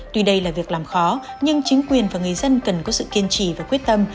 tuy đây là việc làm khó nhưng chính quyền và người dân cần có sự kiên trì và quyết tâm